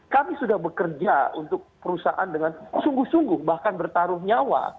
kami sudah bekerja untuk perusahaan dengan sungguh sungguh bahkan bertaruh nyawa